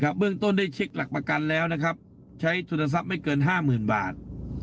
เบื้องต้นได้เช็คหลักประกันแล้วใช้สุดท้ายศัพท์ไม่เกิน๕๐๐๐๐บาท